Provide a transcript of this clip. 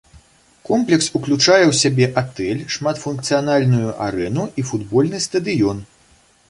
Комплекс уключае ў сябе атэль, шматфункцыянальную арэну і футбольны стадыён.